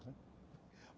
tidak ada masalah